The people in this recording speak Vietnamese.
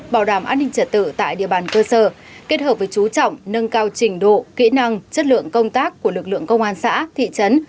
bảo đảm an ninh trật tự tại địa bàn cơ sở kết hợp với chú trọng nâng cao trình độ kỹ năng chất lượng công tác của lực lượng công an xã thị trấn